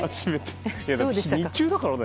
日中だからね。